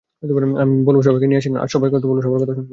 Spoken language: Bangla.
আমি বলব, সবাইকে নিয়ে আসেন, আমি কথা বলব, সবার কথা শুনব।